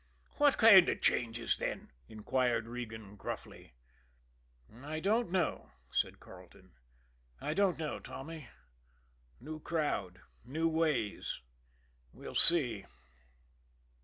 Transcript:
"What kind of changes, then?" inquired Regan gruffly. "I don't know," said Carleton. "I don't know, Tommy new crowd, new ways. We'll see."